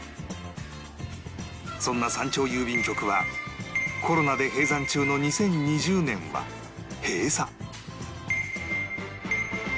そんな山頂郵便局はコロナで閉山中の２０２０年は閉鎖